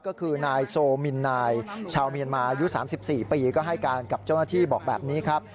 ก็คือนายโซมินนายชาวเมียนมายุ๓๔ปีก็ให้การกับเจ้าหน้าที่บอกแบบนี้ครับ